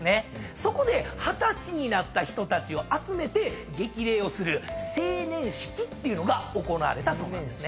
そこで二十歳になった人たちを集めて激励をする成年式っていうのが行われたそうなんですね。